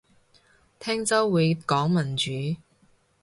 聽週會講民主